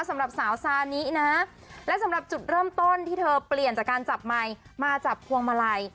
สำหรับสาวซานินะและสำหรับจุดเริ่มต้นที่เธอเปลี่ยนจากการจับไมค์มาจับพวงมาลัย